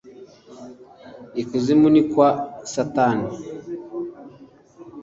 Ikuzimu ni kwa shitani.